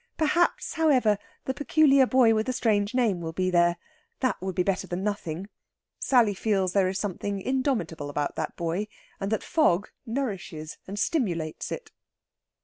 Perhaps, however, the peculiar boy with the strange name will be there. That would be better than nothing. Sally feels there is something indomitable about that boy, and that fog nourishes and stimulates it.